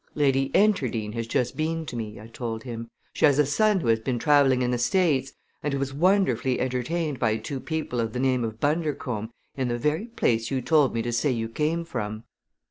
"Lady Enterdean has just been to me," I told him. "She has a son who has been traveling in the States and who was wonderfully entertained by two people of the name of Bundercombe in the very place you told me to say you came from."